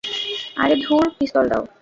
আরে ধুর, পিস্তল দাও।